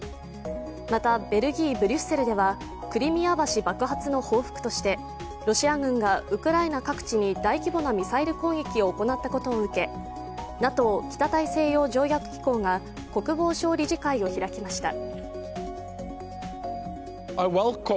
また、ベルギー・ブリュッセルではクリミア橋爆発の報復としてロシア軍がウクライナ各地に大規模なミサイル攻撃を行ったことを受け、ＮＡＴＯ＝北大西洋条約機構が国防相理事会を開きました。